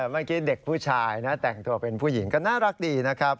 เมื่อกี้เด็กผู้ชายนะแต่งตัวเป็นผู้หญิงก็น่ารักดีนะครับ